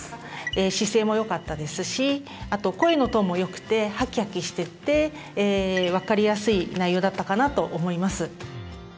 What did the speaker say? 姿勢もよかったですしあと声のトーンもよくてハキハキしてて分かりやすい内容だったかなと思います。